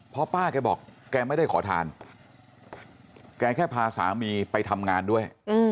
เพราะป้าแกบอกแกไม่ได้ขอทานแกแค่พาสามีไปทำงานด้วย